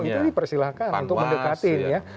itu dipersilakan untuk mendekati